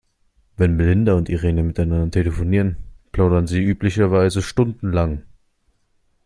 Wenn Melinda und Irene miteinander telefonieren, plaudern sie üblicherweise stundenlang.